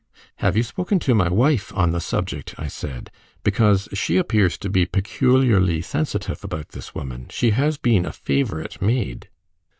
"Have you spoken to my wife on the subject?" I said, "because she appears to be peculiarly sensitive about this woman: she has been a favourite maid."